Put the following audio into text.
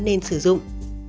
nên sử dụng